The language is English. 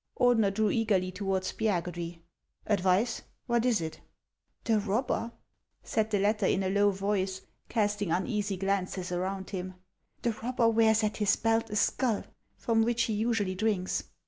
Ordener drew eagerly toward Spiagudry. " Advice ! what is it ?"" The robber," said the latter, in a low voice, casting uneasy glances around him, —" the robber wears at his belt a skull, from which he usually drinks.